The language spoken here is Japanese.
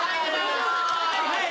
はい。